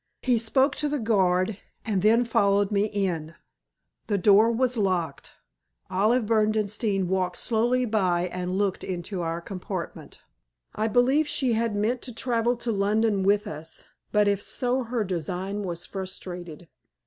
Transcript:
He spoke to the guard and then followed me in. The door was locked. Olive Berdenstein walked slowly by and looked into our compartment. I believe she had meant to travel to London with us, but if so her design was frustrated.